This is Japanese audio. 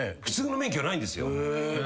普通の免許ないんですよ。